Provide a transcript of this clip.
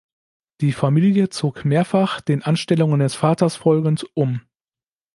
Die Familie zog mehrfach, den Anstellungen des Vaters folgend, um.